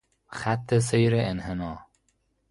خط سیر انحناء